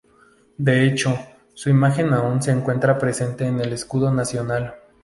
De hecho, su imagen aún se encuentra presente en el escudo nacional.